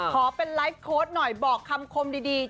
ขอเป็นไลฟ์โค้ดหน่อยบอกคำคมดี